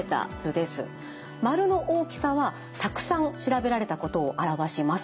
丸の大きさはたくさん調べられたことを表します。